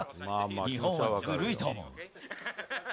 日本はずるいと思う。